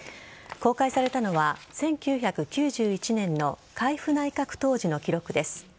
公開されたのは１９９１年の海部内閣当時の記録です。